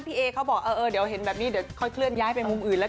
พี่เอเขาบอกเออเดี๋ยวเห็นแบบนี้เดี๋ยวค่อยเคลื่อนย้ายไปมุมอื่นแล้ว